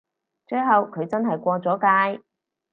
最後佢真係過咗界